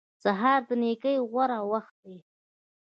سهار د نېکۍ غوره وخت دی.